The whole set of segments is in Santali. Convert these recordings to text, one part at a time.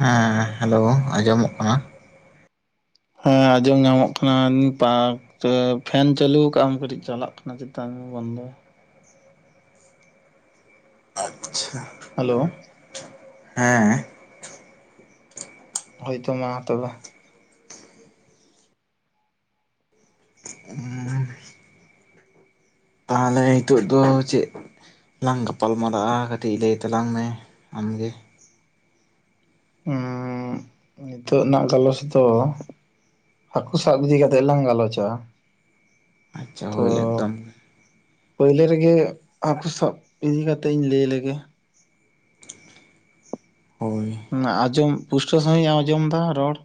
ᱦᱮᱸ ᱦᱮᱞᱳ ᱟᱸᱡᱚᱢᱚᱜ ᱠᱟᱱᱟ ᱦᱮᱸ ᱟᱸᱡᱚᱢ ᱧᱟᱢᱚᱜ ᱠᱟᱱᱟ ᱯᱟᱨᱠ ᱛᱚ ᱯᱷᱮᱱ ᱪᱟᱹᱞᱩ ᱠᱟᱜᱢ ᱠᱟᱹᱴᱤᱡ ᱪᱟᱞᱟᱜ ᱠᱟᱱᱟ ᱪᱮᱛᱟᱱ ᱨᱮ ᱵᱚᱱᱫᱚ ᱟᱪᱪᱷᱟ ᱦᱟᱞᱳ ᱦᱮᱸ ᱦᱚᱭᱛᱚ ᱢᱟ ᱛᱚᱵᱮ ᱾ ᱛᱟᱦᱚᱞᱮ ᱱᱤᱛᱚᱜ ᱫᱚ ᱪᱮᱫ ᱞᱟᱝ ᱜᱟᱯᱟᱞ ᱢᱟᱨᱟᱜᱼᱟ ᱠᱟᱹᱴᱤᱡ ᱞᱟᱹᱭ ᱛᱟᱞᱟᱝ ᱢᱮ ᱟᱢᱜᱮ ᱾ ᱦᱩᱸ ᱱᱤᱛᱚᱜ ᱨᱮᱱᱟᱜ ᱜᱟᱞᱚᱥ ᱫᱚ ᱦᱟᱹᱠᱩ ᱥᱟᱵ ᱤᱫᱤ ᱠᱟᱛᱮᱫ ᱞᱟᱝ ᱜᱟᱞᱚᱪᱼᱟ ᱟᱪᱪᱷᱟ ᱛᱚ ᱦᱳᱭ ᱮᱠᱫᱚᱢ ᱯᱳᱭᱞᱳ ᱨᱮᱜᱮ ᱦᱟᱹᱠᱩ ᱥᱟᱵ ᱤᱫᱤ ᱠᱟᱛᱮ ᱤᱧ ᱞᱟᱹᱭ ᱞᱮᱜᱮ ᱦᱳᱭ ᱟᱸᱡᱚᱢ ᱯᱩᱥᱴᱟᱹᱣ ᱥᱟᱹᱦᱤᱡᱮᱢ ᱟᱸᱡᱚᱢ ᱫᱟ ᱨᱚᱲ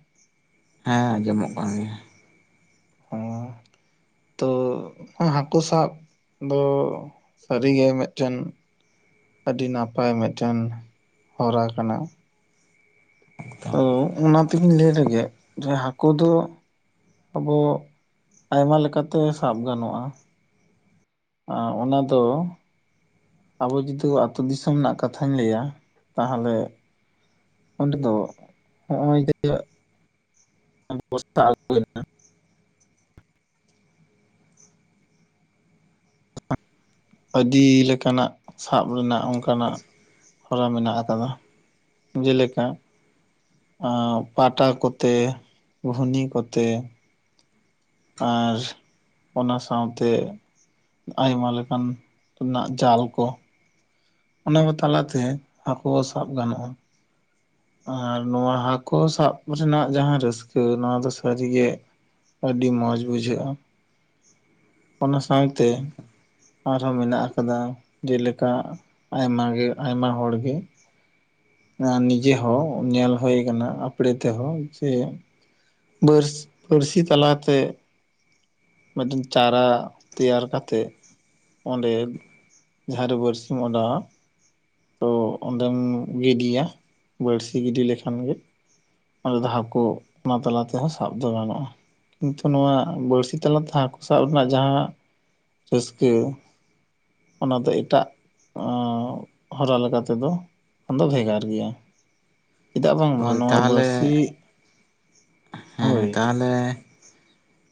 ᱦᱮᱸ ᱟᱸᱡᱚᱢᱚᱜ ᱠᱟᱱ ᱜᱮᱭᱟ ᱚ ᱛᱚ ᱦᱟᱹᱠᱩ ᱥᱟᱵ ᱫᱚ ᱥᱟᱹᱨᱤᱜᱮ ᱢᱤᱫᱴᱮᱱ ᱟᱹᱰᱤ ᱱᱟᱯᱟᱭ ᱢᱤᱫᱴᱮᱱ ᱦᱚᱨᱟ ᱠᱟᱱᱟ ᱮᱠᱫᱚᱢ ᱛᱚ ᱚᱱᱟ ᱛᱮᱜᱤᱧ ᱞᱟᱹᱭ ᱞᱮᱜᱮ ᱡᱮ ᱦᱟᱹᱠᱩ ᱫᱚ ᱟᱵᱚ ᱟᱭᱢᱟ ᱞᱮᱠᱟᱛᱮ ᱥᱟᱵ ᱜᱟᱱᱚᱜᱼᱟ ᱟ ᱚᱱᱟ ᱫᱚ ᱟᱵᱚ ᱡᱩᱫᱤ ᱟᱹᱛᱳ ᱫᱤᱥᱚᱢ ᱨᱮᱱᱟᱜ ᱠᱟᱛᱷᱟᱧ ᱞᱟᱹᱭᱟ ᱛᱟᱦᱚᱞᱮ ᱚᱸᱰᱮ ᱫᱚ ᱦᱚᱸᱜᱼᱚᱭ [unintelligible] ᱫ ᱵᱚᱨᱟ ᱟᱹᱜᱩᱭᱱᱟ ᱟᱹᱰᱤ ᱞᱮᱠᱟᱱᱟᱜ ᱥᱟᱵ ᱨᱮᱱᱟᱜ ᱚᱱᱠᱟᱱᱟᱜ ᱦᱚᱨᱟ ᱢᱮᱱᱟᱜ ᱟᱠᱟᱫᱟ ᱡᱮᱞᱮᱠᱟ ᱯᱟᱴᱟ ᱠᱚᱛᱮ ᱜᱷᱩᱱᱤ ᱠᱚᱛᱮ ᱟᱨ ᱚᱱᱟ ᱥᱟᱶ ᱛᱮ ᱟᱭᱢᱟ ᱞᱮᱠᱟᱱ ᱨᱮᱱᱟᱜ ᱡᱟᱞ ᱠᱚ ᱚᱱᱟ ᱠᱚ ᱛᱟᱞᱟ ᱛᱮ ᱦᱟᱹᱠᱩ ᱦᱚ ᱥᱟᱵ ᱜᱟᱱᱚᱜᱼᱟ ᱟᱨ ᱱᱚᱣᱟ ᱦᱟᱹᱠᱩ ᱥᱟᱵ ᱨᱮᱱᱟᱜ ᱡᱟᱦᱟᱸ ᱨᱟᱹᱥᱠᱟᱹ ᱱᱚᱣᱟ ᱫᱚ ᱥᱟᱹᱨᱤ ᱜᱮ ᱟᱹᱰᱤ ᱢᱚᱡᱽ ᱵᱩᱡᱷᱟᱹᱜᱼᱟ ᱚᱱᱟ ᱥᱟᱶ ᱛᱮ ᱟᱨ ᱦᱚᱸ ᱢᱮᱱᱟᱜ ᱟᱠᱟᱫᱟ ᱡᱮᱞᱮᱠᱟ ᱟᱭᱢᱟ ᱜᱮ ᱟᱭᱢᱟ ᱦᱚᱲ ᱜᱮ ᱟᱨ ᱱᱤᱡᱮ ᱦᱚᱸ ᱧᱮᱞ ᱦᱩᱭ ᱠᱟᱱᱟ ᱟᱯᱲᱮ ᱛᱮᱦᱚᱸ ᱡᱮ ᱵᱟ. ᱨᱥ ᱯᱟᱹᱨᱥᱤ ᱪᱟᱞᱟ ᱛᱮ ᱢᱤᱫ ᱫᱤᱱ ᱪᱟᱨᱟ ᱛᱮᱭᱟᱨ ᱠᱟᱛᱮ ᱚᱸᱰᱮ ᱡᱟᱦᱟᱸ ᱨᱮ ᱵᱟᱹᱨᱥᱤᱢ ᱚᱰᱟᱣᱟ ᱛᱚ ᱚᱸᱰᱮᱢ ᱜᱤᱰᱤᱭᱟ ᱵᱟᱹᱲᱥᱤ ᱜᱤᱰᱤ ᱞᱮᱠᱷᱟᱱ ᱜᱮ ᱚᱸᱰᱮ ᱫᱚ ᱦᱟᱠᱩ ᱚᱱᱟ ᱛᱟᱞᱟ ᱛᱮ ᱦᱚᱸ ᱥᱟᱵ ᱫᱚ ᱜᱟᱱᱚᱜᱼᱟ ᱠᱤᱱᱛᱩ ᱱᱚᱣᱟ ᱵᱟᱹᱲᱥᱤ ᱛᱟᱞᱟ ᱛᱮ ᱦᱟᱹᱠᱩ ᱥᱟᱵ ᱨᱮᱱᱟᱜ ᱡᱟᱦᱟᱸ ᱨᱟᱹᱥᱠᱟᱹ ᱚᱱᱟ ᱫᱚ ᱮᱴᱟᱜ ᱚᱸ ᱦᱚᱨᱟ ᱞᱮᱠᱟ ᱛᱮᱫᱚ ᱚᱱᱟ ᱫᱚ ᱵᱷᱮᱜᱟᱨ ᱜᱮᱭᱟ ᱪᱮᱫᱟᱜ ᱵᱟᱢ ᱦᱳᱭ ᱵᱟᱱᱟᱣᱟ ᱵᱟ. ᱛᱟᱦᱚᱞᱮ ᱲᱥᱤ ᱦᱮᱸ ᱛᱟᱦᱚᱞᱮ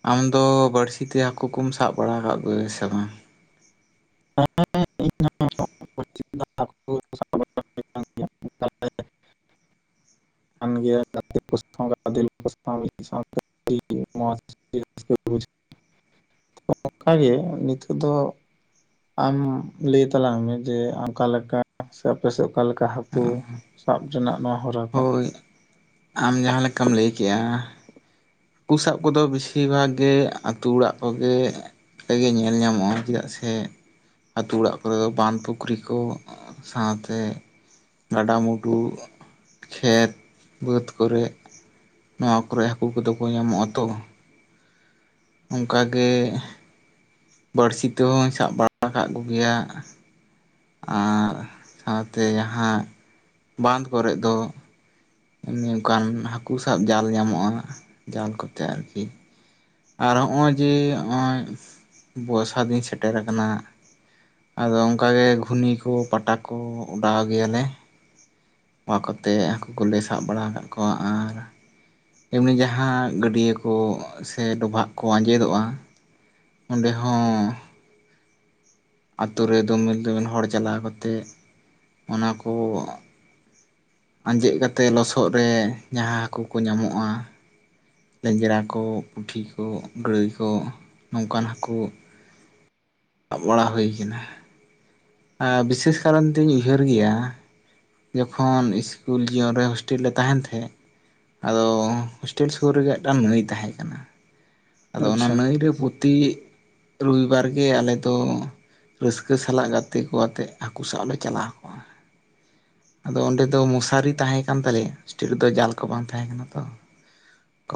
ᱟᱢ ᱫᱚ ᱵᱟᱹᱲᱥᱤ ᱛᱮ ᱦᱟᱠᱳ ᱠᱚᱢ ᱥᱟᱵ ᱵᱟᱲᱟ ᱟᱠᱟᱫ ᱠᱚ ᱜᱮᱭᱟ ᱥᱮ ᱵᱟᱝ [inaudible] ᱠᱟᱱ ᱜᱮᱭᱟ [unintelligible] ᱟᱹᱰᱤ ᱢᱚᱸᱡᱽ ᱚᱱᱠᱟ ᱜᱮ ᱱᱤᱛᱚᱜ ᱫᱚ ᱟᱢ ᱞᱟᱹᱭ ᱛᱟᱞᱟᱝ ᱢᱮ ᱡᱮ ᱚᱠᱟ ᱞᱮᱠᱟ ᱥᱮ ᱟᱯᱮ ᱥᱮᱫ ᱚᱠᱟ ᱞᱮᱠᱟ ᱦᱟᱹᱠᱩ ᱥᱟᱵ ᱡᱚᱱᱟᱜ ᱱᱚᱣᱟ ᱦᱚᱨᱟ ᱠᱚ ᱦᱳᱭ ᱟᱢ ᱡᱟᱦᱟᱸ ᱞᱮᱠᱟᱢ ᱞᱟᱹᱭ ᱠᱮᱜᱼᱟ ᱦᱟᱠᱩ ᱥᱟᱵ ᱠᱚᱫᱚ ᱵᱮᱥᱤ ᱵᱷᱟᱜᱽ ᱜᱮ ᱟᱛᱩ ᱚᱲᱟᱜ ᱠᱚᱜᱮ ᱛᱮᱜᱮ ᱧᱮᱞ ᱧᱟᱢᱚᱜᱼᱟ ᱪᱮᱫᱟᱜ ᱥᱮ ᱟᱛᱳ ᱚᱲᱟᱜ ᱠᱚᱨᱮ ᱫᱚ ᱵᱟᱸᱫᱽ ᱯᱩᱠᱷᱨᱤ ᱠᱚ ᱥᱟᱶ ᱛᱮ ᱜᱟᱰᱟ ᱢᱩᱰᱩ ᱠᱷᱮᱛ ᱵᱟᱹᱫᱽ ᱠᱚ ᱨᱮᱜ ᱱᱚᱣᱟ ᱠᱚᱨᱮ ᱦᱟᱹᱠᱩ ᱠᱚᱫᱚ ᱠᱚ ᱧᱟᱢᱚᱜ-ᱟ ᱛᱚ ᱚᱱᱠᱟ ᱜᱮ ᱵᱟᱹᱲᱥᱤ ᱛᱮᱦᱚᱧ ᱥᱟᱵ ᱵᱟᱲᱟ ᱟᱠᱟᱫ ᱠᱚ ᱜᱮᱭᱟ ᱟᱨ ᱥᱟᱶ ᱛᱮ ᱡᱟᱦᱟᱸ ᱵᱟᱸᱫᱽ ᱠᱚᱨᱮᱫ ᱫᱚ ᱚᱱᱮ ᱚᱱᱠᱟᱱ ᱦᱟᱹᱠᱩ ᱥᱟᱵ ᱡᱟᱞ ᱧᱟᱢᱚᱜ-ᱟ ᱡᱟᱞ ᱠᱚᱛᱮ ᱟᱨᱠᱤ ᱟᱨ ᱦᱚᱸᱜ ᱚᱭ ᱡᱮ ᱦᱚᱸᱜ ᱚᱭ ᱵᱚᱨᱥᱟ ᱫᱤᱱ ᱥᱮᱴᱮᱨ ᱟᱠᱟᱱᱟ ᱟᱫᱚ ᱚᱱᱠᱟ ᱜᱮ ᱜᱷᱩᱱᱤ ᱠᱚ ᱯᱟᱴᱟ ᱠᱚ ᱚᱰᱟᱣ ᱜᱮᱭᱟ ᱞᱮ ᱱᱚᱣᱟ ᱠᱚᱛᱮ ᱦᱟᱹᱠᱩ ᱠᱚᱞᱮ ᱥᱟᱵ ᱵᱟᱲᱟ ᱟᱠᱟᱫ ᱠᱚᱣᱟ ᱟᱨ ᱮᱢᱱᱤ ᱡᱟᱦᱟᱸ ᱜᱟᱹᱰᱭᱟᱹ ᱠᱚ ᱥᱮ ᱰᱚᱵᱷᱟᱜ ᱠᱚ ᱟᱸᱡᱮᱫᱚᱜ-ᱟ᱾ ᱚᱸᱰᱮ ᱦᱚᱸ ᱟᱛᱳ ᱨᱮ ᱫᱚᱢᱮᱞ ᱫᱚᱢᱮᱞ ᱦᱚᱲ ᱪᱟᱞᱟᱣ ᱠᱟᱛᱮᱫ ᱚᱱᱟ ᱠᱚ ᱟᱸᱡᱮᱫ ᱠᱟᱛᱮᱫ ᱞᱚᱥᱚᱫ ᱨᱮ ᱡᱟᱦᱟᱸ ᱦᱟᱹᱠᱩ ᱠᱚ ᱧᱟᱢᱚᱜᱼᱟ ᱞᱮᱸᱡᱮᱨ ᱦᱟᱠᱚ ᱯᱩᱴᱷᱤ ᱠᱚ ᱜᱟᱹᱲᱟᱹᱭ ᱠᱚ ᱱᱚᱝᱠᱟᱱ ᱦᱟᱹᱠᱩ ᱵᱟᱲᱟ ᱦᱩᱭ ᱠᱟᱱᱟ᱾ ᱟᱨ ᱵᱤᱥᱮᱥ ᱠᱟᱨᱟᱱ ᱛᱩᱧ ᱩᱭᱦᱟᱹᱨ ᱜᱮᱭᱟ ᱡᱚᱠᱷᱚᱱ ᱤᱥᱠᱩᱞ ᱡᱤᱭᱚᱱ ᱨᱮ ᱦᱳᱥᱴᱮᱞ ᱨᱮᱞᱮ ᱛᱟᱦᱮᱱ ᱛᱟᱦᱮᱸᱫ ᱟᱫᱚ ᱦᱳᱥᱴᱮᱞ ᱥᱩᱨ ᱨᱮᱜᱮ ᱢᱤᱫᱴᱟᱝ ᱱᱟᱹᱭ ᱛᱟᱦᱮᱸ ᱠᱟᱱᱟ᱾ ᱟᱫᱚ ᱚᱱᱟ ᱟᱪᱪᱷᱟ ᱱᱟᱹᱭ ᱨᱮ ᱯᱩᱛᱤ ᱨᱚᱵᱤᱵᱟᱨ ᱜᱮ ᱟᱞᱮ ᱫᱚ ᱨᱟᱹᱥᱠᱟᱹ ᱥᱟᱞᱟᱜ ᱜᱟᱛᱮ ᱠᱚ ᱟᱛᱮ ᱦᱟᱹᱠᱩ ᱥᱟᱵ ᱞᱮ ᱪᱟᱞᱟᱣ ᱠᱚᱜᱼᱟ ᱟᱫᱚ ᱚᱸᱰᱮ ᱫᱚ ᱢᱚᱥᱟᱨᱤ ᱛᱟᱦᱮᱸ ᱠᱟᱱ ᱛᱟᱞᱮᱭᱟ ᱦᱳᱥᱴᱮᱞ ᱨᱮᱫᱚ ᱡᱟᱞ ᱠᱚ ᱵᱟᱝ ᱛᱟᱦᱮᱸ ᱠᱟᱱᱟ ᱛᱚ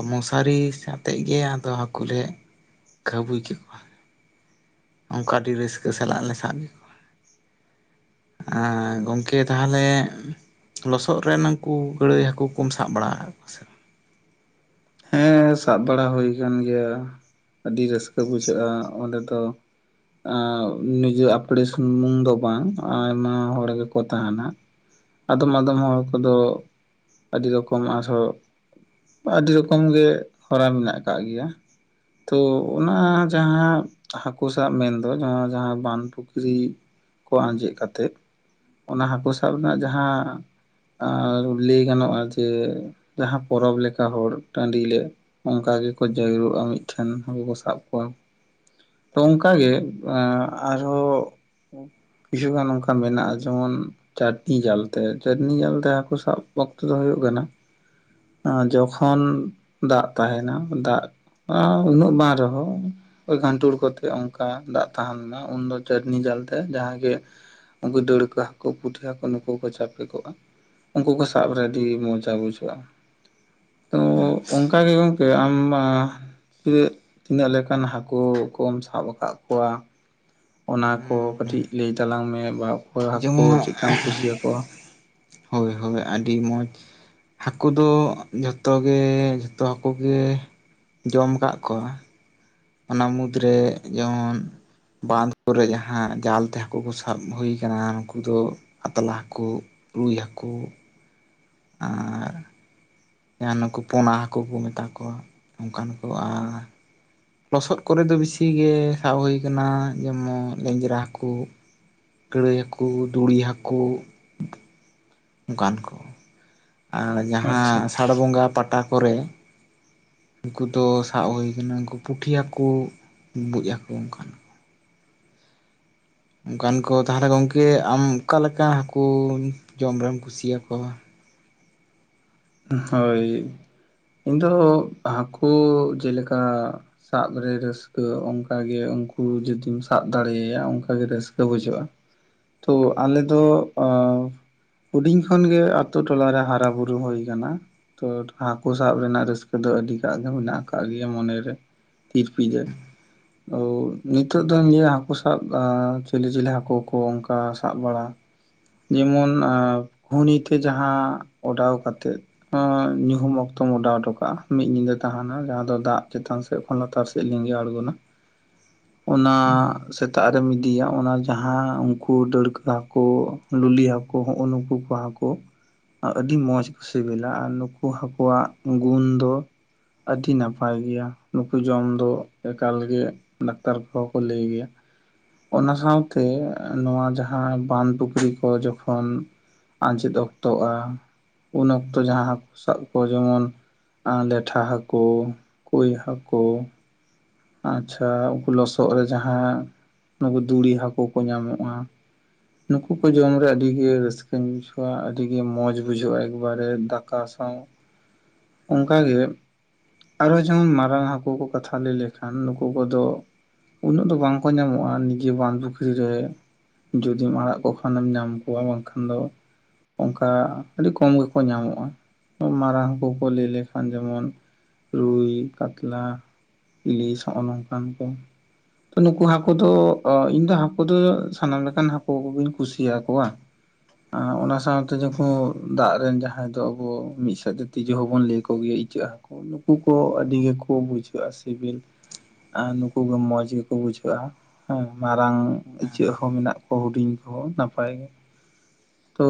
ᱢᱚᱥᱟᱨᱤ ᱟᱛᱮᱜ ᱜᱮ ᱟᱫᱚ ᱦᱟᱹᱠᱩ ᱞᱮ ᱜᱷᱟᱹᱵᱩᱭ ᱠᱮ ᱠᱚᱣᱟ ᱚᱱᱠᱟ ᱟᱹᱰᱤ ᱨᱟᱹᱥᱠᱟᱹ ᱥᱟᱞᱟᱜ ᱞᱮ ᱥᱟᱵ ᱠᱮ ᱟᱨ ᱜᱚᱢᱠᱮ ᱛᱟᱦᱞᱮ ᱞᱚᱥᱚᱫ ᱨᱮᱱ ᱦᱟᱹᱱᱠᱩ ᱜᱟᱹᱲᱟᱹᱭ ᱦᱟᱹᱠᱩ ᱠᱚᱢ ᱥᱟᱵ ᱵᱟᱲᱟ ᱦᱟᱜ ᱠᱚᱣᱟ ᱥᱮ ᱵᱟ ᱦᱮᱸ ᱥᱟᱵ ᱵᱟᱲᱟ ᱦᱩᱭ ᱟᱠᱟᱱ ᱜᱮᱭᱟ ᱟᱹᱰᱤ ᱨᱟᱹᱥᱠᱟᱹ ᱵᱩᱡᱷᱟᱹᱜ-ᱟ ᱚᱸᱰᱮ ᱫᱚ ᱟ ᱱᱤᱡᱮ ᱟᱯᱲᱮ ᱥᱩᱢᱩᱝ ᱫᱚ ᱵᱟᱝ ᱟᱭᱢᱟ ᱦᱚᱲ ᱜᱮᱠᱚ ᱛᱟᱦᱮᱱᱟ᱾ ᱟᱫᱚᱢ ᱟᱫᱚᱢ ᱦᱚᱲ ᱠᱚᱫᱚ ᱟᱹᱰᱤ ᱨᱚᱠᱚᱢ ᱟᱨᱦᱚᱸ ᱟᱹᱰᱤ ᱨᱚᱠᱚᱢ ᱨᱚᱠᱚᱢ ᱜᱮ ᱦᱚᱨᱟ ᱢᱮᱱᱟᱜ ᱟᱠᱟᱫ ᱜᱮᱭᱟ ᱛᱚ ᱚᱱᱟ ᱡᱟᱦᱟᱸ ᱦᱟᱹᱠᱩ ᱥᱟᱵ ᱢᱮᱱᱫᱚ ᱡᱟᱦᱟᱸ- ᱡᱟᱦᱟᱸ ᱵᱟᱸᱫᱽ ᱯᱩᱠᱷᱨᱤ ᱠᱚ ᱟᱸᱡᱮᱫ ᱠᱟᱛᱮᱜ ᱚᱱᱟ ᱦᱟᱹᱠᱩ ᱥᱟᱵ ᱨᱮᱱᱟᱜ ᱡᱟᱦᱟᱸ ᱟᱨ ᱞᱟᱹᱭ ᱜᱟᱱᱚᱜᱼᱟ ᱡᱮ ᱡᱟᱦᱟᱸ ᱯᱚᱨᱚᱵᱽ ᱞᱮᱠᱟ ᱦᱚᱲ ᱴᱟᱺᱰᱤ ᱞᱮ ᱚᱱᱠᱟ ᱜᱮᱠᱚ ᱡᱟᱹᱨᱣᱟᱜᱼᱟ ᱢᱤᱫ ᱴᱷᱮᱱ ᱦᱟᱹᱠᱩ ᱠᱚ ᱥᱟᱵ ᱠᱚᱣᱟ ᱛᱚ ᱚᱱᱠᱟ ᱜᱮ ᱮᱸ ᱟᱨ ᱦᱚᱸ ᱠᱤᱪᱷᱩ ᱜᱟᱱ ᱚᱱᱠᱟ ᱢᱮᱱᱟᱜᱼᱟ ᱡᱮᱢᱚᱱ ᱪᱟᱹᱴᱱᱤ ᱡᱟᱞᱛᱮ ᱪᱟᱹᱴᱱᱤ ᱡᱟᱞᱛᱮ ᱦᱟᱹᱠᱩ ᱥᱟᱵ ᱚᱠᱛᱚ ᱫᱚ ᱦᱩᱭᱩᱜ ᱠᱟᱱᱟ ᱡᱚᱠᱷᱚᱱ ᱫᱟᱜ ᱛᱟᱦᱮᱸᱱᱟ ᱫᱟᱜ ᱩᱱᱟᱹᱜ ᱵᱟᱝ ᱨᱮᱦᱚ ᱜᱷᱟᱱᱴᱩᱲ ᱠᱚᱛᱮᱜ ᱚᱱᱠᱟ ᱫᱟᱜ ᱛᱟᱦᱮᱸᱞᱮᱱᱟ ᱩᱱᱫᱚ ᱪᱟᱹᱴᱱᱤ ᱡᱟᱞ ᱛᱮ ᱡᱟᱦᱟᱸ ᱜᱮ ᱩᱱᱠᱩ ᱫᱟᱹᱲᱠᱟᱦ ᱦᱟᱹᱠᱩ ᱠᱚ ᱯᱩᱴᱷᱟ ᱠᱚ ᱱᱩᱠᱩ ᱦᱚᱸ ᱠᱚ ᱪᱟᱯᱮ ᱠᱚᱜᱼᱟ ᱩᱱᱠᱩ ᱠᱚ ᱥᱟᱵ ᱨᱮ ᱟᱹᱰᱤ ᱢᱚᱡᱟ ᱵᱩᱡᱷᱟᱹᱜ-ᱟ ᱛᱚ ᱚᱱᱠᱟ ᱜᱮ ᱜᱚᱢᱠᱮ ᱟᱢ ᱢᱟ ᱮᱜ ᱛᱤᱱᱟᱹᱜ ᱞᱮᱠᱟᱱ ᱦᱟᱹᱠᱩ ᱠᱚᱢ ᱥᱟᱵ ᱟᱠᱟᱫ ᱠᱚᱣᱟ ᱚᱱᱟ ᱠᱚ ᱵᱟᱝ ᱠᱟᱹᱴᱤᱡ ᱦᱮᱸ ᱞᱟᱹᱭ ᱛᱟᱞᱟᱝ ᱢᱮ ᱵᱟ [inaudible] ᱦᱟᱹᱠᱩ ᱡᱮᱢᱚᱱ ᱪᱮᱫᱠᱟᱢ ᱠᱩᱥᱤᱭᱟ ᱠᱚᱣᱟ ᱦᱚᱭ ᱟᱹᱰᱤ ᱢᱚᱡᱽ ᱦᱟᱹᱠᱩ ᱫᱚ ᱡᱚᱛᱚ ᱜᱮ ᱡᱚᱛᱚ ᱦᱟᱹᱠᱩ ᱜᱮ ᱡᱚᱢ ᱠᱟᱜ ᱠᱚᱣᱟ ᱚᱱᱟ ᱢᱩᱫᱽᱨᱮ ᱡᱮᱢᱚᱱ ᱵᱟᱸᱫᱷ ᱠᱚ ᱨᱮ ᱡᱟᱦᱟᱸ ᱡᱟᱞ ᱛᱮ ᱦᱟᱹᱠᱩ ᱠᱚ ᱥᱟᱵ ᱦᱩᱭ ᱟᱠᱟᱱᱟ ᱩᱱᱩᱠᱩ ᱫᱚ ᱯᱟᱛᱞᱟ ᱦᱟᱹᱠᱩ ᱨᱩᱭ ᱦᱟᱹᱠᱩ ᱟᱨ ᱡᱟᱦᱟᱸ ᱱᱩᱠᱩ ᱯᱚᱱᱟ ᱦᱟᱹᱠᱩ ᱠᱚ ᱢᱮᱛᱟ ᱠᱚᱣᱟ ᱚᱱᱠᱟᱱ ᱠᱚ ᱟᱨ ᱞᱚᱥᱚᱫ ᱠᱚᱨᱮ ᱫᱚ ᱵᱤᱥᱤ ᱜᱮ ᱥᱟᱵ ᱦᱩᱭ ᱟᱠᱟᱱᱟ ᱡᱮᱢᱚᱱ ᱞᱮᱧᱡᱽᱨᱟ ᱦᱟᱹᱠᱩ ᱠᱟᱹᱲᱟᱹᱭ ᱦᱟᱹᱠᱩ ᱫᱩᱲᱤ ᱦᱟᱹᱠᱩ ᱚᱱᱠᱟᱱ ᱠᱚ ᱟᱨ ᱟᱪᱪᱷᱟ ᱡᱟᱦᱟᱸ ᱥᱟᱟᱲ ᱵᱚᱸᱜᱟ ᱯᱟᱴᱟ ᱠᱚᱨᱮ ᱩᱱᱠᱩ ᱫᱚ ᱥᱟᱵ ᱦᱩᱭ ᱟᱠᱟᱱᱟ ᱩᱱᱠᱩ ᱯᱩᱴᱷᱤ ᱦᱟᱹᱠᱩ ᱵᱩᱵᱩᱡ ᱦᱟᱹᱠᱩ ᱚᱱᱠᱟᱱ ᱚᱱᱠᱟᱱ ᱠᱚ ᱛᱟᱦᱚᱞᱮ ᱜᱚᱢᱠᱮ ᱟᱢ ᱚᱠᱟ ᱞᱮᱠᱟ ᱦᱟᱹᱠᱩ ᱡᱚᱢ ᱨᱮᱢ ᱠᱩᱥᱤᱭᱟᱠᱚᱣᱟ᱾ ᱦᱚᱭ ᱤᱧ ᱫᱚ ᱦᱟᱹᱠᱩ ᱡᱮᱞᱮᱠᱟ ᱥᱟᱵ ᱨᱮ ᱨᱟᱹᱥᱠᱟᱹ ᱚᱱᱠᱟ ᱜᱮ ᱩᱱᱠᱩ ᱡᱩᱫᱤᱢ ᱥᱟᱵ ᱫᱟᱲᱮᱭᱟᱭᱟ ᱚᱱᱠᱟ ᱜᱮ ᱨᱟᱹᱥᱠᱟᱹ ᱵᱩᱡᱷᱟᱹᱜ-ᱟ᱾ ᱛᱚ ᱟᱞᱮ ᱫᱚ ᱟᱣ ᱦᱩᱰᱤᱧ ᱠᱷᱚᱱ ᱜᱮ ᱟᱛᱚᱴᱚᱞᱟ ᱨᱮ ᱦᱟᱨᱟ ᱵᱩᱨᱩ ᱦᱩᱭ ᱟᱠᱟᱱᱟ ᱫᱟᱱᱟ ᱛᱚ ᱦᱟᱹᱠᱩ ᱥᱟᱵ ᱨᱮᱱᱟᱜ ᱨᱟᱹᱥᱠᱟᱹ ᱫᱚ ᱟᱹᱰᱤ ᱴᱟᱜ ᱜᱮ ᱢᱮᱱᱟᱜ ᱟᱠᱟᱫ ᱜᱮᱭᱟ ᱢᱚᱱᱮ ᱨᱮ᱾ ᱛᱤᱨ ᱯᱤᱭᱟᱹ ᱚ ᱱᱤᱛᱚᱜ ᱫᱚᱧ ᱞᱟᱹᱭᱟ ᱦᱟᱹᱠᱩ ᱥᱟᱵ ᱪᱤᱠᱚ ᱚᱱᱠᱟ ᱥᱟᱵ ᱵᱟᱲᱟ ᱡᱮᱢᱚᱱ ᱟ ᱜᱷᱩᱱᱤ ᱛᱮ ᱡᱟᱦᱟᱸ ᱚᱰᱟᱣ ᱠᱟᱛᱮᱜ ᱧᱩᱦᱩᱢ ᱚᱠᱛᱚᱢ ᱚᱰᱟᱣ ᱦᱚᱴᱚ ᱠᱟᱜᱼᱟ ᱢᱤᱫ ᱧᱤᱫᱟᱹ ᱛᱟᱦᱮᱸᱱᱟ ᱡᱟᱦᱟᱸ ᱫᱚ ᱫᱟᱜ ᱪᱮᱛᱟᱱ ᱥᱮᱫ ᱞᱟᱛᱟᱨ ᱥᱮᱫ ᱞᱤᱸᱜᱤ ᱟᱬᱜᱚᱱᱟ᱾ ᱚᱱᱟ ᱥᱮᱛᱟᱜ ᱨᱮᱢ ᱤᱫᱤᱭᱟ ᱚᱱᱟ ᱡᱟᱦᱟᱸ ᱩᱱᱠᱩ ᱰᱟᱹᱲᱠᱟᱹ ᱦᱟᱹᱠᱩ ᱞᱩᱞᱤ ᱦᱟᱹᱠᱚ ᱦᱚᱸᱦᱚᱜᱚ ᱱᱩᱠᱩ ᱠᱚ ᱦᱟᱹᱠᱩ ᱟᱹᱰᱤ ᱢᱚᱸᱡᱽ ᱥᱤᱵᱤᱞᱟ ᱟᱨ ᱱᱩᱠᱩ ᱦᱟᱹᱠᱩᱣᱟᱜ ᱜᱩᱱ ᱫᱚ ᱟᱹᱰᱤ ᱱᱟᱯᱟᱭ ᱜᱮᱭᱟ ᱱᱩᱠᱩ ᱡᱚᱢ ᱫᱚ ᱮᱠᱟᱞ ᱜᱮ ᱰᱟᱠᱴᱟᱨ ᱠᱚ ᱠᱚ ᱞᱟᱹᱭ ᱜᱮᱭᱟ ᱚᱱᱟ ᱥᱟᱶᱛᱮ ᱱᱚᱶᱟ ᱡᱟᱦᱟᱸ ᱵᱟᱸᱫᱽ ᱯᱩᱠᱷᱨᱤ ᱠᱚ ᱡᱚᱠᱷᱚᱱ ᱟᱸᱡᱮᱫ ᱚᱠᱛᱚᱜᱼᱟ ᱩᱱ ᱚᱠᱛᱚ ᱡᱟᱦᱟᱸ ᱦᱟᱹᱠᱩ ᱥᱟᱵ ᱠᱚ ᱡᱮᱢᱚᱱ ᱞᱮᱴᱷᱟ ᱦᱟᱹᱠᱩ ᱠᱩᱭ ᱦᱟᱹᱠᱩ ᱟᱪᱪᱷᱟ ᱩᱱᱠᱩ ᱞᱚᱥᱚᱫ ᱨᱮ ᱡᱟᱦᱟᱸ ᱱᱩᱠᱩ ᱫᱩᱲᱤ ᱦᱟᱹᱠᱩ ᱠᱚ ᱧᱟᱢᱚᱜᱼᱟ ᱱᱩᱠᱩ ᱠᱚ ᱡᱚᱢ ᱨᱮ ᱟᱹᱰᱤ ᱜᱮ ᱨᱟᱹᱥᱠᱟᱹᱧ ᱵᱩᱡᱷᱟᱹᱣᱟ ᱟᱹᱰᱤ ᱜᱮ ᱢᱚᱸᱡᱽ ᱵᱩᱡᱷᱟᱹᱜᱼᱟ ᱮᱠᱵᱟᱨᱮ ᱫᱟᱠᱟ ᱥᱟᱶ ᱚᱱᱠᱟ ᱜᱮ ᱟᱨᱚ ᱡᱮᱢᱚᱱ ᱢᱟᱨᱟᱝ ᱦᱟᱹᱠᱩ ᱠᱚ ᱠᱟᱛᱷᱟ ᱞᱮ ᱞᱮᱠᱷᱟᱱ ᱱᱩᱠᱩ ᱠᱚᱫᱚ ᱩᱱᱟᱹᱜ ᱫᱚ ᱵᱟᱝᱠᱚ ᱧᱟᱢᱚᱜᱼᱟ ᱱᱤᱡᱮ ᱵᱟᱸᱫᱷ ᱯᱩᱠᱷᱨᱤ ᱨᱮ ᱡᱩᱫᱤᱢ ᱟᱲᱟᱜ ᱠᱚ ᱠᱷᱟᱱᱮᱢ ᱧᱟᱢ ᱠᱚᱣᱟ ᱵᱟᱝᱠᱷᱟᱱ ᱫᱚ ᱚᱱᱠᱟ ᱟᱹᱰᱤ ᱠᱚᱢ ᱜᱮᱠᱚ ᱧᱟᱢᱚᱜᱼᱟ ᱢᱟᱨᱟᱝ ᱦᱟᱹᱠᱩ ᱠᱚ ᱞᱟᱹᱭ ᱞᱮᱠᱷᱟᱱ ᱡᱮᱢᱚᱱ ᱨᱩᱭ ᱠᱟᱛᱞᱟ ᱤᱞᱤᱥ ᱱᱚᱜᱼᱚᱭ ᱱᱚᱝᱠᱟᱱ ᱠᱚ ᱛᱚ ᱱᱩᱠᱩ ᱦᱟᱹᱠᱩ ᱫᱚ ᱤᱧ ᱫᱚ ᱦᱟᱹᱠᱩ ᱫᱚ ᱥᱟᱱᱟᱢ ᱞᱮᱠᱟᱱ ᱦᱟᱹᱠᱩ ᱠᱚ ᱜᱤᱧ ᱠᱩᱥᱤᱭᱟ ᱠᱚᱣᱟ ᱚᱱᱟ ᱥᱟᱶᱛᱮ ᱡᱚᱠᱷᱚᱱ ᱫᱟᱜ ᱨᱮᱱ ᱡᱟᱦᱟᱸᱭ ᱫᱚ ᱟᱵᱚ ᱢᱤᱫ ᱥᱮᱫ ᱛᱮ ᱛᱤᱡᱩ ᱦᱚᱸᱵᱚᱱ ᱞᱟᱹᱭ ᱠᱚ ᱜᱮᱭᱟ ᱤᱪᱟᱹᱜ ᱦᱟᱹᱠᱩ ᱱᱩᱠᱩ ᱠᱚ ᱟᱹᱰᱤ ᱜᱮᱠᱚ ᱵᱩᱡᱷᱟᱹᱜᱼᱟ ᱥᱮ ᱥᱤᱵᱤᱞ ᱱᱩᱠᱩ ᱜᱮ ᱢᱚᱸᱡᱽ ᱜᱮ ᱠᱚ ᱵᱩᱡᱷᱟᱹᱜᱼᱟ ᱦᱮᱸ ᱢᱟᱨᱟᱝ ᱤᱪᱟᱹᱜ ᱦᱚᱸ ᱢᱮᱱᱟᱜ ᱠᱚᱣᱟ ᱦᱩᱰᱤᱧ ᱠᱚ ᱦᱚᱸ ᱱᱟᱯᱟᱭ ᱜᱮ ᱛᱚ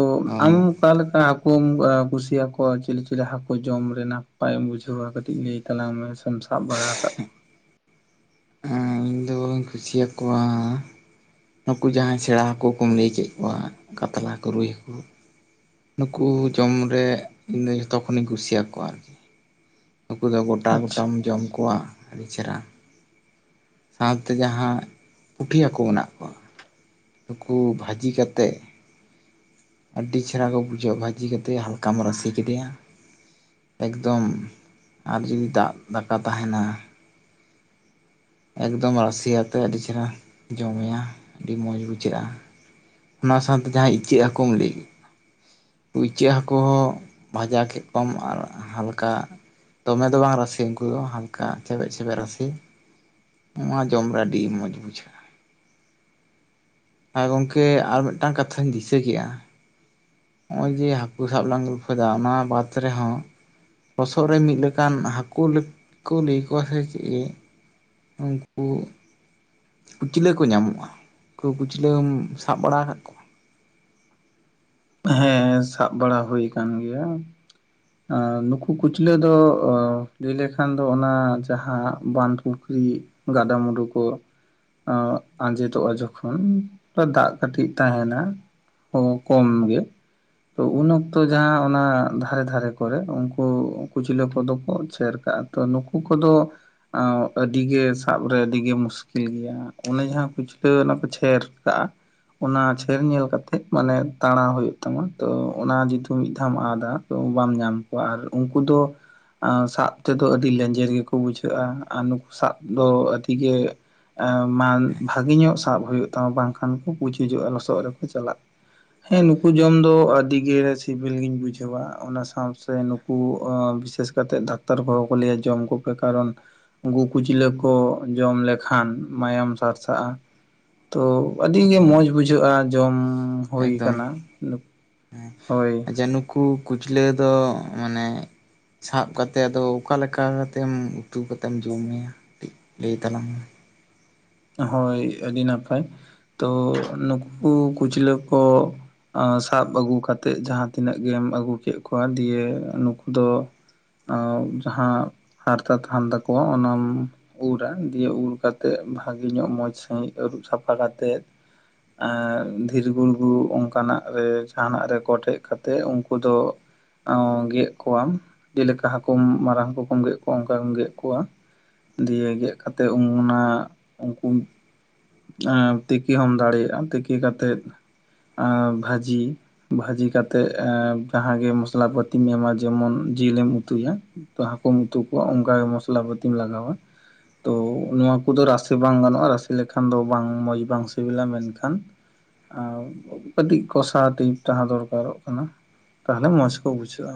ᱟᱢ ᱚ ᱮᱢ ᱚᱠᱟ ᱞᱮᱠᱟ ᱦᱟᱹᱠᱩᱢ ᱠᱩᱥᱤᱭᱟᱠᱚᱣᱟ ᱪᱤᱞᱤ ᱪᱤᱞᱤ ᱦᱟᱹᱠᱩ ᱡᱚᱢ ᱨᱮ ᱱᱟᱯᱟᱭᱮᱢ ᱵᱩᱡᱷᱟᱹᱣᱟ ᱠᱟᱹᱴᱤᱡ ᱞᱟᱹᱭ ᱛᱟᱞᱟᱝ ᱢᱮ ᱥᱮᱢ ᱥᱟᱵ ᱵᱟᱲᱟ ᱠᱟᱹ ᱠᱚᱣᱟ? ᱠᱚᱧ ᱠᱩᱥᱤᱭᱟᱠᱚᱣᱟᱻ ᱱᱩᱠᱩ ᱡᱟᱦᱟᱸᱭ ᱥᱮᱬᱟ ᱦᱟᱹᱠᱩ ᱠᱚᱢ ᱞᱟᱹᱭ ᱠᱮᱫ ᱠᱚᱣᱟ ᱠᱟᱛᱞᱟ ᱠᱚ ᱨᱩᱭ ᱦᱟᱹᱠᱩ ᱱᱩᱠᱩ ᱡᱚᱢ ᱨᱮ ᱤᱧ ᱫᱚ ᱡᱷᱚᱛᱚ ᱠᱷᱚᱱᱤᱧ ᱠᱩᱥᱤᱭᱟᱠᱚᱣᱟ ᱟᱨᱠᱤ ᱱᱩᱠᱩ ᱫᱚ ᱜᱚᱴᱟ ᱠᱚᱣᱟ? ᱟᱪᱪᱷᱟ ᱜᱚᱴᱟᱢ ᱡᱚᱢ ᱠᱚᱣᱟ ᱟᱹᱰᱤ ᱪᱮᱦᱨᱟ ᱥᱟᱶᱛᱮ ᱡᱟᱦᱟᱸ ᱯᱩᱴᱷᱤ ᱦᱟᱹᱠᱩ ᱢᱮᱱᱟᱜ ᱠᱚᱣᱟ ᱱᱩᱠᱩ ᱵᱷᱟᱹᱡᱤ ᱠᱟᱛᱮᱫ ᱟᱹᱰᱤ ᱪᱮᱦᱨᱟ ᱠᱚ ᱵᱩᱡᱷᱟᱹᱜᱼᱟ ᱵᱷᱟᱹᱡᱤ ᱠᱟᱛᱮᱫ ᱦᱟᱞᱠᱟᱢ ᱨᱟᱥᱮ ᱠᱮᱫᱮᱭᱟ ᱮᱠᱫᱚᱢ ᱟᱨ ᱡᱩᱫᱤ ᱫᱟᱜ ᱫᱟᱠᱟ ᱛᱟᱦᱮᱸᱱᱟ ᱮᱠᱫᱚᱢ ᱨᱟᱥᱮ ᱟᱛᱮ ᱟᱹᱰᱤ ᱪᱮᱦᱨᱟ ᱡᱚᱢᱮᱭᱟ ᱟᱹᱰᱤ ᱢᱚᱸᱡᱽ ᱵᱩᱡᱷᱟᱹᱜᱼᱟ ᱚᱱᱟ ᱥᱟᱶᱛᱮ ᱡᱟᱦᱟᱸ ᱤᱪᱟᱹᱜ ᱦᱟᱹᱠᱩᱢ ᱞᱟᱹᱭ ᱠᱩ ᱤᱪᱟᱹᱜ ᱦᱟᱹᱠᱩ ᱦᱚᱸ ᱵᱷᱟᱡᱟ ᱠᱮᱫ ᱠᱚᱣᱟᱢ ᱟᱨ ᱦᱟᱞᱠᱟ ᱫᱚᱢᱮ ᱫᱚ ᱵᱟᱝ ᱨᱟᱥᱮ ᱩᱱᱠᱩ ᱫᱚ ᱦᱟᱞᱠᱟ ᱪᱮᱵᱮᱡ ᱪᱷᱮᱵᱮᱡ ᱨᱟᱥᱮ ᱱᱚᱣᱟ ᱡᱚᱢ ᱨᱮ ᱟᱹᱰᱤ ᱢᱚᱸᱡᱽ ᱵᱩᱡᱷᱟᱹᱜᱼᱟ ᱟᱨ ᱜᱚᱢᱠᱮ ᱟᱨ ᱢᱤᱫᱴᱟᱝ ᱠᱟᱛᱷᱟᱧ ᱫᱤᱥᱟᱹ ᱠᱮᱜᱼᱟ ᱱᱚᱜ ᱚᱭ ᱡᱮ ᱦᱟᱹᱠᱩ ᱥᱟᱵ ᱞᱟᱝ ᱜᱚᱞᱯᱷᱚᱭᱫᱟ ᱚᱱᱟ ᱵᱟᱫᱽ ᱨᱮᱦᱚᱸ ᱞᱚᱥᱚᱫ ᱨᱮ ᱢᱤᱫ ᱞᱮᱠᱟᱱ ᱦᱟᱹᱠᱩ ᱠᱚ ᱞᱟᱹᱭ ᱠᱚᱣᱟ ᱥᱮ ᱪᱮᱫ ᱩᱱᱠᱩ ᱠᱩᱩᱪᱞᱟᱹ ᱠᱚ ᱧᱟᱢᱚᱜᱼᱟ ᱩᱱᱠᱩ ᱠᱩᱪᱞᱟᱹᱢ ᱥᱟᱵ ᱵᱟᱲᱟ ᱟᱠᱟᱫ ᱠᱚᱣᱟ ᱦᱮᱸ ᱥᱟᱵ ᱵᱟᱲᱟ ᱦᱩᱭ ᱟᱠᱟᱱ ᱜᱮᱭᱟ ᱱᱩᱠᱩ ᱠᱩᱪᱞᱟᱹ ᱫᱚ ᱞᱟᱹᱭ ᱞᱮᱠᱷᱟᱱ ᱫᱚ ᱚᱱᱟ ᱡᱟᱦᱟᱸ ᱵᱟᱸᱫ ᱯᱩᱠᱷᱨᱤ ᱜᱟᱰᱟ ᱢᱩᱰᱩ ᱠᱚ ᱟᱸᱡᱮᱫᱚᱜᱼᱟ ᱡᱚᱠᱷᱚᱱ ᱫᱟᱜ ᱠᱟᱹᱴᱤᱡ ᱛᱚ ᱛᱟᱦᱮᱸᱱᱟ ᱚ ᱠᱚᱢ ᱜᱮᱭ᱾ ᱛᱚ ᱩᱱ ᱚᱠᱛᱚ ᱡᱟᱦᱟᱸ ᱚᱱᱟ ᱫᱷᱟᱨᱮ ᱫᱷᱟᱨᱮ ᱠᱚᱨᱮ ᱩᱱᱠᱩ ᱠᱩᱪᱞᱟᱹ ᱠᱚᱫᱚ ᱠᱚ ᱪᱷᱮᱨ ᱠᱟᱜᱼᱟ᱾ ᱛᱚ ᱱᱩᱠᱩ ᱠᱚᱫᱚ᱾ ᱟᱹᱰᱤ ᱜᱮ ᱥᱟᱵ ᱨᱮ ᱟᱹᱰᱤ ᱜᱮ ᱢᱩᱥᱠᱤᱞ ᱜᱮᱭᱟ ᱚᱱᱮ ᱡᱟᱦᱟᱸ ᱠᱷᱩᱪᱞᱟᱹ ᱚᱱᱟ ᱠᱚ ᱪᱷᱮᱨ ᱠᱟᱜᱼᱟ ᱚᱱᱟ ᱪᱷᱮᱨ ᱧᱮᱞ ᱠᱟᱛᱮᱜ ᱢᱟᱱᱮ ᱛᱟᱸᱲᱟᱣ ᱦᱩᱭᱩᱜ ᱛᱟᱢᱟ ᱛᱚ ᱚᱱᱟ ᱡᱚᱫᱤ ᱢᱤᱫ ᱫᱷᱟᱣ ᱮᱢ ᱟᱫᱟ ᱛᱚ ᱵᱟᱢ ᱧᱟᱢ ᱠᱚᱣᱟ ᱟᱨ ᱩᱱᱠᱩ ᱫᱚ ᱥᱟᱵ ᱛᱮᱫᱚ ᱟᱹᱰᱤ ᱞᱮᱸᱧᱡᱮᱨ ᱜᱮ ᱠᱚ ᱵᱩᱡᱷᱟᱹᱜᱼᱟ ᱟᱨ ᱱᱩᱠᱩ ᱥᱟᱵ ᱫᱚ ᱟᱹᱰᱤ ᱜᱮ ᱢᱟᱱ ᱵᱷᱟᱜᱮ ᱧᱚᱜ ᱥᱟᱵ ᱦᱩᱭᱩᱜ ᱛᱟᱢᱟ ᱵᱟᱝᱠᱷᱟᱱ ᱠᱚ ᱯᱩᱪᱩᱡᱚᱜ-ᱟ ᱞᱚᱥᱚᱫ ᱨᱮ ᱠᱚ ᱪᱟᱞᱟᱜ ᱦᱮᱸ ᱱᱩᱠᱩ ᱡᱚᱢ ᱫᱚ ᱟᱹᱰᱤ ᱜᱮ ᱥᱤᱵᱤᱞ ᱜᱤᱧ ᱵᱩᱡᱷᱟᱹᱣᱟ ᱚᱱᱟ ᱥᱟᱶᱛᱮ ᱱᱩᱠᱩ ᱵᱤᱥᱮᱥ ᱠᱟᱭᱛᱮ ᱰᱟᱠᱛᱟᱨ ᱠᱚ ᱦᱚᱸ ᱠᱚ ᱞᱟᱹᱭᱟ ᱡᱚᱢ ᱠᱚᱯᱮ ᱠᱟᱨᱚᱱ ᱩᱱᱠᱩ ᱠᱩᱪᱞᱟᱹ ᱠᱚ ᱡᱚᱢ ᱞᱮᱠᱷᱟᱱ ᱢᱟᱭᱟᱢ ᱥᱟᱨᱥᱟᱜᱼᱟ ᱛᱚ ᱟᱹᱰᱤ ᱜᱮ ᱦᱳᱭ ᱢᱚᱡᱽ ᱵᱩᱡᱷᱟᱹᱜᱼᱟ ᱡᱚᱢ ᱦᱩᱭ ᱮᱠᱫᱚᱢ ᱠᱟᱱᱟ ᱦᱳᱭ ᱡᱮ ᱱᱩᱠᱩ ᱠᱩᱪᱞᱟᱹ ᱫᱚ ᱢᱟᱱᱮ ᱥᱟᱵᱽ ᱠᱟᱛᱮ ᱟᱫᱚ ᱚᱠᱟ ᱞᱮᱠᱟ ᱠᱟᱛᱮᱢ ᱩᱛᱩ ᱠᱟᱛᱮᱢ ᱡᱚᱢᱮᱭᱟ? ᱠᱟᱹᱴᱤᱡ ᱞᱟᱹᱭ ᱛᱟᱞᱟᱝ ᱢᱮ᱾ ᱦᱳᱭ ᱟᱹᱰᱤ ᱱᱟᱯᱟᱭ, ᱛᱚ ᱱᱩᱠᱩ ᱠᱩᱪᱞᱟᱹ ᱠᱚ᱾ ᱟ. ᱥᱟᱵ ᱟᱹᱜᱩ ᱠᱟᱛᱮᱫ ᱡᱟᱦᱟᱸ ᱛᱤᱱᱟᱹᱜ ᱜᱮᱢ ᱟᱹᱜᱩ ᱠᱮᱫ ᱠᱚᱣᱟ ᱫᱤᱭᱟᱹ ᱱᱩᱠᱩ ᱫᱚ ᱟᱺᱵ ᱡᱟᱦᱟᱸ ᱦᱟᱨᱛᱟ ᱛᱟᱦᱮᱱ ᱛᱟᱠᱚᱣᱟ ᱚᱱᱟᱢ ᱩᱨᱟ ᱫᱤᱭᱮ ᱩᱨ ᱠᱟᱛᱮᱜ ᱵᱷᱟᱜᱮ ᱧᱚᱜ ᱢᱚᱸᱡᱽ ᱥᱟᱺᱦᱤᱡ ᱟᱹᱨᱩᱵ ᱥᱟᱯᱷᱟ ᱠᱟᱛᱮᱫ᱾ ᱮ ᱫᱷᱤᱨᱤ ᱜᱩᱲᱜᱩ ᱚᱱᱠᱟᱱᱟᱜ ᱨᱮ ᱡᱟᱸᱦᱟᱱᱟᱜ ᱨᱮ ᱠᱚᱴᱮᱡ ᱠᱟᱛᱮᱜ ᱩᱱᱠᱩ ᱫᱚ ᱜᱮᱫ ᱠᱚᱣᱟᱢ ᱡᱮᱞᱮᱠᱟ ᱦᱟᱠᱩᱢ ᱢᱟᱨᱟᱝ ᱦᱟᱠᱩ ᱠᱚᱢ ᱜᱮᱫ ᱠᱚᱣᱟ ᱚᱱᱠᱟ ᱜᱮᱢ ᱜᱮᱫ ᱠᱚᱣᱟ᱾ ᱫᱤᱭᱮ ᱜᱮᱫ ᱠᱟᱛᱮᱫ ᱩᱱᱟ ᱩᱱᱠᱩᱢ ᱟᱨ ᱛᱤᱠᱤ ᱦᱚᱢ ᱫᱟᱲᱮᱭᱟᱜᱼᱟᱢ ᱛᱤᱠᱤ ᱠᱟᱛᱮᱫ ᱵᱷᱟᱹᱡᱤ᱾ ᱵᱷᱟᱹᱡᱤ ᱠᱟᱛᱮᱜ ᱮᱸ ᱡᱟᱦᱟᱸᱜᱮ ᱢᱚᱥᱞᱟ ᱯᱟᱹᱛᱤᱢ ᱮᱢᱟ ᱡᱮᱢᱚᱱ ᱡᱤᱞᱮᱢ ᱩᱛᱩᱭᱟ᱾ ᱦᱟᱹᱠᱩᱢ ᱩᱛᱩ ᱠᱚᱣᱟ ᱚᱱᱠᱟ ᱜᱮ ᱢᱚᱥᱞᱟ ᱯᱟᱹᱛᱤᱢ ᱞᱟᱜᱟᱣᱟ ᱛᱚ ᱱᱚᱶᱟ ᱠᱚᱫᱚ ᱨᱟᱥᱮ ᱥᱮ ᱵᱟᱝ ᱜᱟᱱᱚᱜᱼᱟ ᱨᱟᱥᱮ ᱞᱮᱠᱷᱟᱱ ᱫᱚ ᱵᱟᱝ ᱢᱚᱡᱽ ᱵᱟᱝ ᱥᱤᱵᱤᱞᱟ ᱢᱮᱱᱠᱷᱟᱱ ᱟᱣ ᱠᱟᱹᱴᱤᱡ [unintelligible] ᱡᱟᱦᱚᱸ ᱫᱚᱨᱠᱟᱨᱚᱜ ᱠᱟᱱᱟ ᱛᱟᱦᱚᱞᱮ ᱢᱚᱸᱡᱽ ᱠᱚ ᱵᱩᱡᱷᱟᱹᱜᱼᱟ᱾